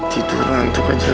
tidur nantuk aja